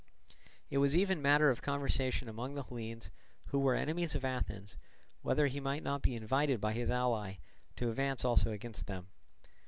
It was even matter of conversation among the Hellenes who were enemies of Athens whether he might not be invited by his ally to advance also against them.